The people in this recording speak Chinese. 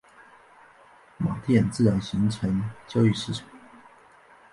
马甸自然形成交易市场。